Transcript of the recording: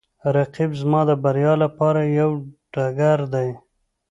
رقیب زما د بریا لپاره یوه ډګر دی